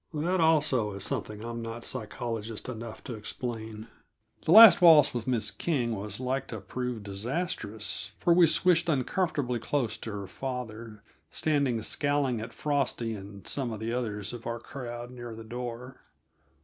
That, also, is something I'm not psychologist enough to explain. That last waltz with Miss King was like to prove disastrous, for we swished uncomfortably close to her father, standing scowling at Frosty and some of the others of our crowd near the door.